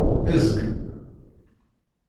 Ezg.